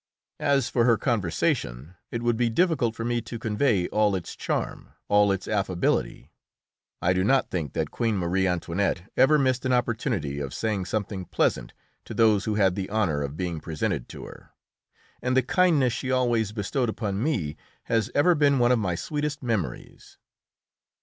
As for her conversation, it would be difficult for me to convey all its charm, all its affability. I do not think that Queen Marie Antoinette ever missed an opportunity of saying something pleasant to those who had the honour of being presented to her, and the kindness she always bestowed upon me has ever been one of my sweetest memories.